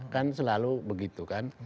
kan selalu begitu kan